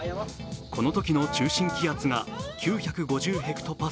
このときの中心気圧が９５０ｈＰａ。